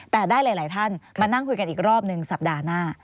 แต่ได้หลายท่านมานั่งคุยกันอีกรอบหนึ่งสัปดาห์หน้า